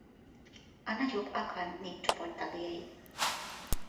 A nagyobb akan népcsoport tagjai.